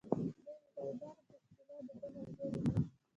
دوی د طالبانو په اصطلاح دده ملګري دي.